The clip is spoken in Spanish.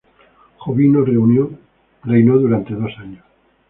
Jovino reinó durante dos años.